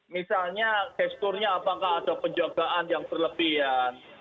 misalnya gesturnya apakah ada penjagaan yang berlebihan